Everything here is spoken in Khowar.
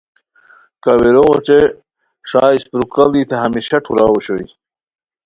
کاویروغ اوچے ݰا اسپرو کاڑی تھے ہمیشہ ٹھوراؤ اوشوئے